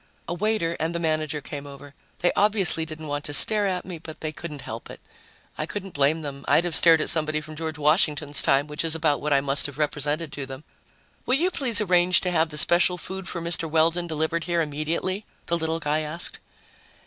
A waiter and the manager came over. They obviously didn't want to stare at me, but they couldn't help it. I couldn't blame them, I'd have stared at somebody from George Washington's time, which is about what I must have represented to them. "Will you please arrange to have the special food for Mr. Weldon delivered here immediately?" the little guy asked.